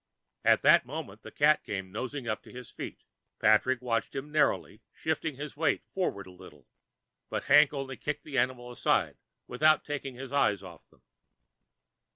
At that moment the cat came nosing up to his feet. Patrick watched him narrowly, shifting his weight forward a little, but Hank only kicked the animal aside without taking his eyes off them.